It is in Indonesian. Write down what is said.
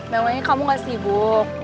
memangnya kamu gak sibuk